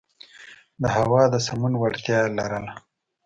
د هوا د سمون وړتیا یې لرله.